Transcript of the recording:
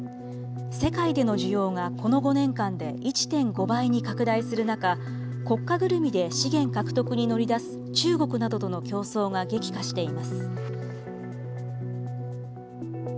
世界での需要がこの５年間で１．５倍に拡大する中、国家ぐるみで資源獲得に乗り出す中国などとの競争が激化しています。